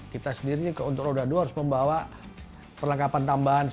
kita sendiri untuk roda dua harus membawa perlengkapan tambahan